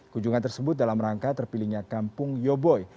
kujungan tersebut dalam rangka terpilihnya kampung yoboi